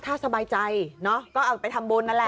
ถ้าสบายใจเนอะก็เอาไปทำบุญนั่นแหละ